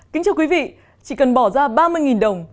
kính chào quý vị chỉ cần bỏ ra ba mươi đồng